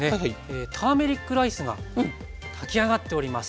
ターメリックライスが炊き上がっております。